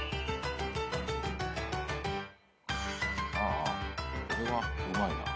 あこれはうまいな。